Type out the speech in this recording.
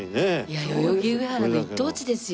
いや代々木上原の一等地ですよ。